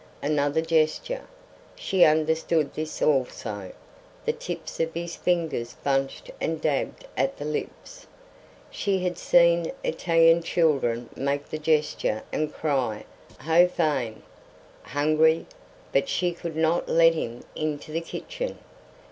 Another gesture. She understood this also. The tips of the fingers bunched and dabbed at the lips. She had seen Italian children make the gesture and cry: "Ho fame!" Hungry. But she could not let him into the kitchen.